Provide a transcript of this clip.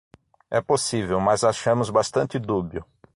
É possível, mas achamos bastante dúbio.